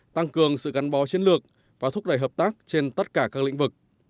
tăng cường sự gắn bó chiến lược và thúc đẩy hợp tác trên tất cả các lĩnh vực